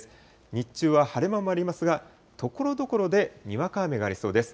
日中は晴れ間もありますが、ところどころでにわか雨がありそうです。